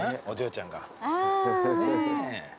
お嬢ちゃんが。ねぇ。